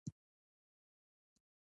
د بودیزم څلورمه لویه شورا وه